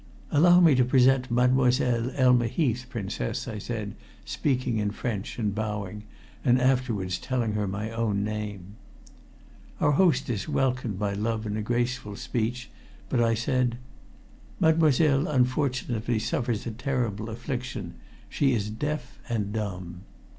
"Allow me to present Mademoiselle Elma Heath, Princess," I said, speaking in French and bowing, and afterwards telling her my own name. Our hostess welcomed my love in a graceful speech, but I said "Mademoiselle unfortunately suffers a terrible affliction. She is deaf and dumb."